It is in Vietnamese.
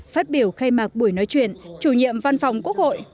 phát biểu khai mạc buổi nói chuyện chủ nhiệm văn phòng quốc hội